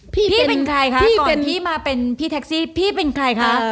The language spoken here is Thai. พี่พี่เป็นใครคะพี่เป็นพี่มาเป็นพี่แท็กซี่พี่เป็นใครคะ